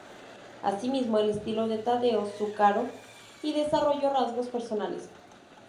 Asimiló el estilo de Taddeo Zuccaro y desarrolló rasgos personales.